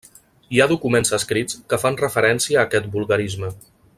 Hi ha documents escrits que fan referència a aquest vulgarisme.